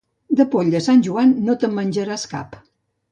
De poll de Sant Joan no te'n menjaràs cap.